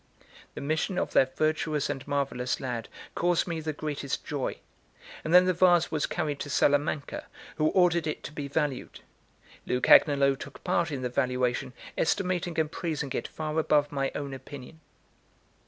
The mission of that virtuous and marvellous lad caused me the greatest joy; and then the vase was carried to Salamanca, who ordered it to be valued. Lucagnolo took part in the valuation, estimating and praising it far above my own opinion.